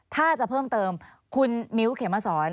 ถ้าจะเพิ่มเติมคุณมิ้วเขมสอน